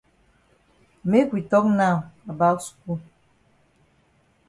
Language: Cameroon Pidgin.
Make we tok now about skul.